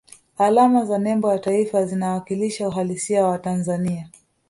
alama za nembo ya taifa zinawakilisha uhalisia wa watanzania